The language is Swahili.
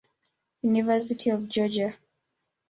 University of Georgia.